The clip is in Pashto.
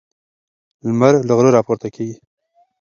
لمر له غره راپورته کیږي.